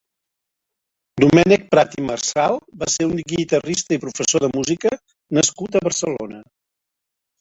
Domènec Prat i Marsal va ser un guitarrista i professor de música nascut a Barcelona.